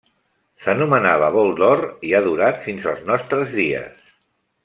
S'anomenava Bol d'Or i ha durat fins als nostres dies.